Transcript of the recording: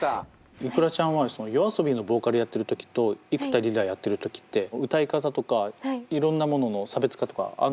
ｉｋｕｒａちゃんはＹＯＡＳＯＢＩのボーカルやってる時と幾田りらやってる時って歌い方とかいろんなものの差別化とかあんの？